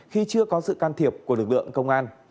khi chưa có sự can thiệp của lực lượng công an